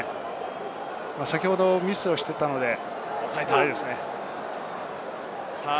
先ほどミスをしていたので、大丈夫ですね。